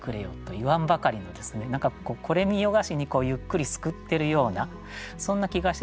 何かこれ見よがしにゆっくりすくってるようなそんな気がしてですね